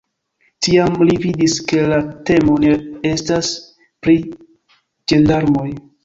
Tiam li vidis, ke la temo ne estas pri ĝendarmoj.